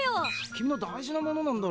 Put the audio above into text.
君の大事なものなんだろ？